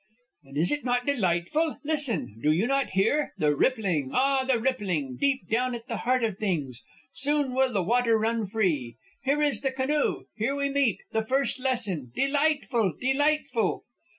"And is it not delightful? Listen! Do you not hear? The rippling ah! the rippling! deep down at the heart of things! Soon will the water run free. Here is the canoe! Here we meet! The first lesson! Delightful! Delightful!"